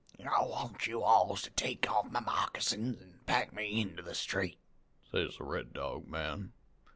"'I wants you alls to take off my moccasins an' pack me into the street,' says the Red Dog man.